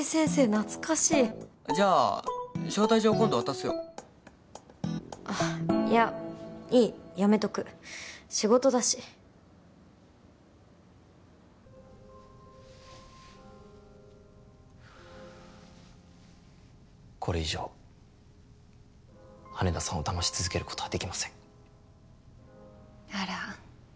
懐かしいじゃあ招待状今度渡すよいやいいやめとく仕事だしこれ以上羽田さんをだまし続けることはできませんあら